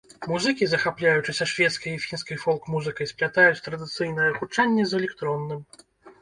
Музыкі, захапляючыся шведскай і фінскай фолк-музыкай, сплятаюць традыцыйнае гучанне з электронным.